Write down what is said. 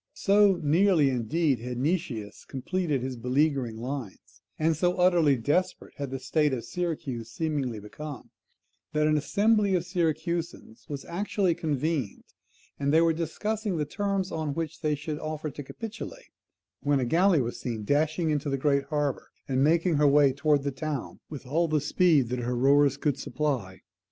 So nearly, indeed, had Nicias completed his beleaguering lines, and so utterly desperate had the state of Syracuse seemingly become, that an assembly of the Syracusans was actually convened, and they were discussing the terms on which they should offer to capitulate, when a galley was seen dashing into the great harbour, and making her way towards the town with all the speed that her rowers could supply.